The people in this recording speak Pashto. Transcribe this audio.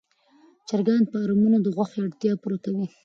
د چرګانو فارمونه د غوښې اړتیا پوره کوي.